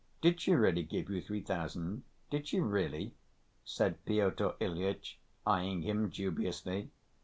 Did she really give you three thousand? Did she really?" said Pyotr Ilyitch, eyeing him dubiously.